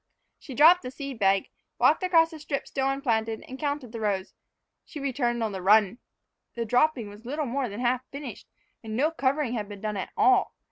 She dropped the seed bag, walked across the strip still unplanted, and counted the rows. She returned on the run. The dropping was little more than half finished, and no covering had been done at all.